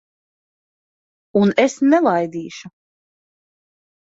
Un es nelaidīšu.